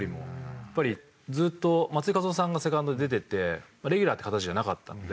やっぱりずっと松井稼頭央さんがセカンドで出ててレギュラーって形じゃなかったので。